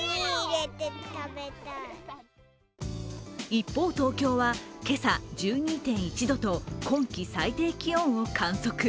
一方、東京は今朝１２．１度と今季最低気温を観測。